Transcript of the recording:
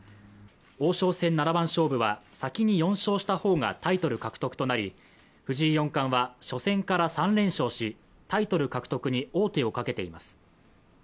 王将戦七番勝負は先に４勝した方がタイトル獲得となり藤井四冠は、初戦から３連勝しタイトル獲得に王手をかけています。